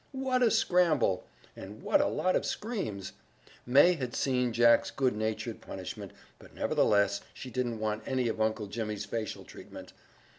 What a scramble! And what a lot of screams! May had seen Jack's good natured punishment, but nevertheless she didn't want any of Uncle Jimmy's facial treatment.